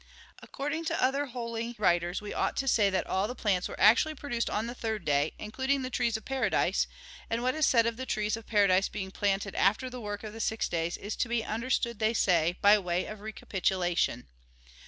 According to other holy writers, we ought to say that all the plants were actually produced on the third day, including the trees of paradise; and what is said of the trees of paradise being planted after the work of the six days is to be understood, they say, by way of recapitulation.